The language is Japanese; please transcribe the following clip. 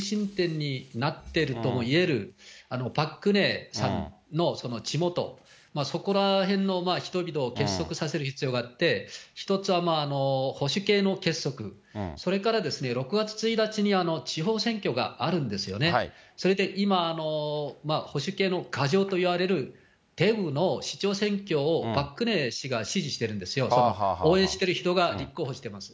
そのためには保守系の急伸点になってるともいえるパク・クネさんの地元、そこらへんの人々を結束させる必要があって、一つは保守系の結束、それから６月１日に地方選挙があるんですよね、それで今、保守系の牙城といわれるテグの市長選挙をパク・クネ氏が支持してるんですよ、応援している人が立候補しています。